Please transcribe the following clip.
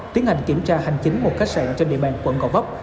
tiến hành kiểm tra hành chính một khách sạn trên địa bàn quận gò vấp